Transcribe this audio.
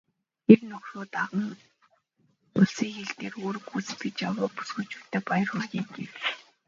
"Эр нөхрөө даган улсын хил дээр үүрэг гүйцэтгэж яваа бүсгүйчүүддээ баяр хүргэе" гэв.